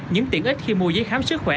những tiện ích khi mua giấy khám sức khỏe